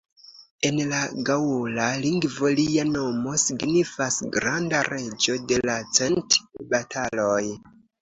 En la gaŭla lingvo lia nomo signifas "granda reĝo de la cent bataloj".